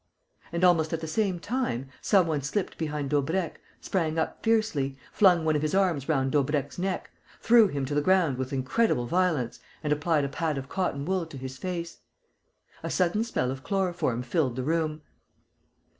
And, almost at the same time, some one slipped behind Daubrecq, sprang up fiercely, flung one of his arms round Daubrecq's neck, threw him to the ground with incredible violence and applied a pad of cotton wool to his face. A sudden smell of chloroform filled the room.